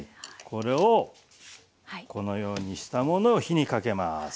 これをこのようにしたものを火にかけます。